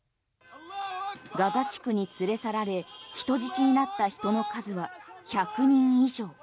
ガザ地区に連れ去られ人質になった人の数は１００人以上。